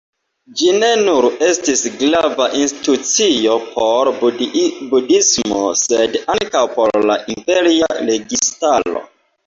Ĝi ne nur estis grava institucio por budhismo, sed ankaŭ por la imperia registaro.